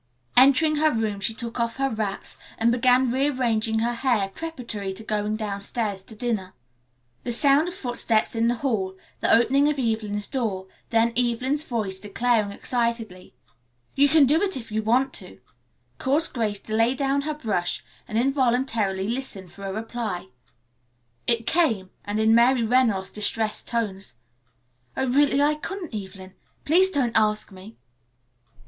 Entering her room she took off her wraps and began rearranging her hair preparatory to going downstairs to dinner. The sound of footsteps in the hall, the opening of Evelyn's door, then Evelyn's voice declaring excitedly, "You can do it if you want to," caused Grace to lay down her brush and involuntarily listen for a reply. It came, and in Mary Reynolds' distressed tones. "Oh, really, I couldn't, Evelyn. Please, please don't ask me."